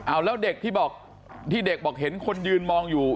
เอาแล้วเด็กที่บอกที่เด็กบอกเห็นคนยืนมองอยู่